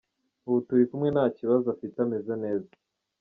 Ubu turi kumwe nta kibazo afite ameze neza.